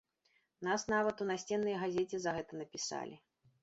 Нас нават у насценнай газеце за гэта напісалі.